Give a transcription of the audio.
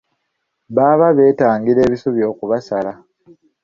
Baba beetangira bisubi kubasala.